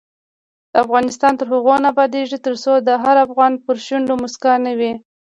افغانستان تر هغو نه ابادیږي، ترڅو د هر افغان پر شونډو مسکا نه وي.